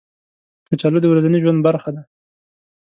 کچالو د ورځني ژوند برخه ده